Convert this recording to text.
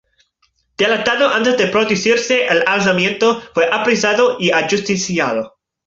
Delatado antes de producirse el alzamiento, fue apresado y ajusticiado.